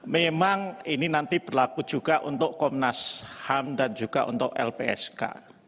memang ini nanti berlaku juga untuk komnas ham dan juga untuk lpsk